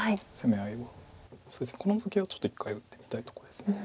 この図形はちょっと一回打ってみたいところです。